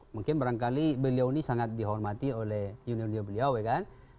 mungkin barangkali beliau ini sangat dihormati oleh junior beliau ya kan